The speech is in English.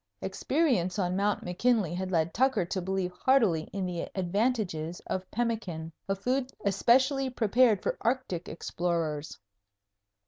Experience on Mt. McKinley had led Tucker to believe heartily in the advantages of pemmican, a food especially prepared for Arctic explorers.